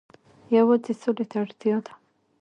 یوازې سولې ته اړتیا ده.